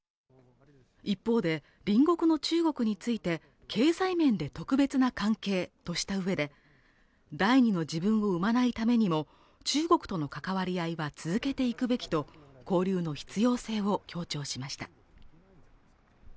一方で隣国の中国について経済面で特別な関係としたうえで第２の自分を生まないためにも中国との関わり合いは続けていくべきと交流の必要性を強調しました